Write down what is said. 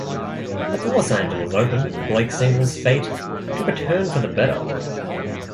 At the Los Angeles Open, Blake's singles fate took a turn for the better.